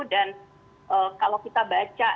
dan kalau kita baca